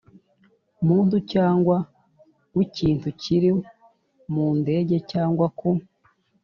muntu cyangwa w ikintu kiri mu ndege cyangwa ku